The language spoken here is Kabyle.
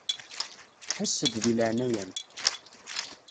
Ḥess-d di leɛnaya-m.